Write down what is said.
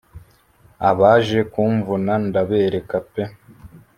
abaje kumvuna ndabereka pe